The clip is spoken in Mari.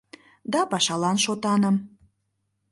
Да пашалан шотаным.